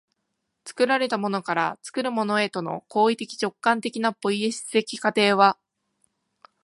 作られたものから作るものへとの行為的直観的なポイエシス的過程は